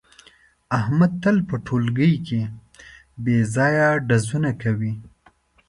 احمد تل په ټولگي کې بې ځایه ډزونه کوي.